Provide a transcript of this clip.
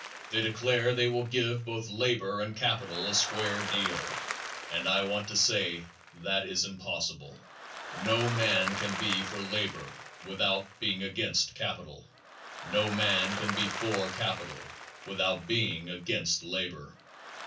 They declare they will give both labor and capital a square deal, and I want to say that is impossible. No man can be for labor without being against capital. No man can be for capital without being against labor.